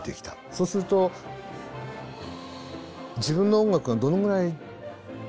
そうすると自分の音楽がどのぐらい通じるのかな？